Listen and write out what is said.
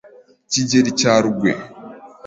Kigeli cya Rugwe